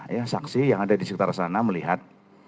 ya saksi yang ada di sekitar sana melihat